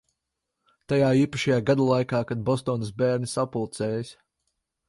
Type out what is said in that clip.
Tajā īpašajā gada laikā, kad Bostonas bērni sapulcējas.